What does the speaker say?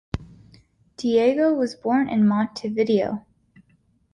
Diogo was born in Montevideo.